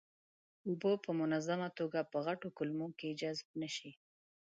اوبه په منظمه توګه په غټو کولمو کې جذب نشي.